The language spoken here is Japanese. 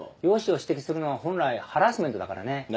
容姿を指摘するのは本来ハラスメントだからね。